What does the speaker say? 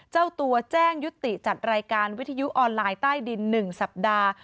เจ้าตัวแจ้งยุติจัดรายการวิทยุออนไลน์ใต้ดิน๑สัปดาห์